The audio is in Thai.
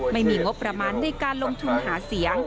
ไม่มีงบประมาณในการลงทุนหาเสียง